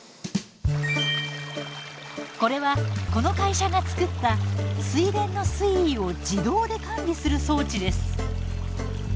これはこの会社が作った水田の水位を自動で管理する装置です。